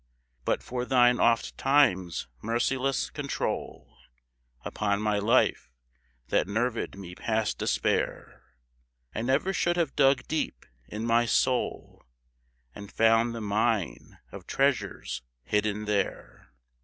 But for thine ofttimes merciless control Upon my life, that nerved me past despair, I never should have dug deep in my soul And found the mine of treasures hidden there.